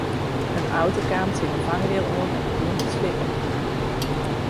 In auto kaam tsjin de fangrail oan en begûn te slippen.